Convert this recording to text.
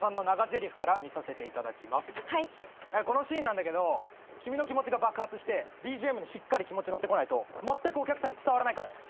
このシーンなんだけど君の気持ちが爆発してＢＧＭにしっかり気持ち乗ってこないとまったくお客さんに伝わらないからね。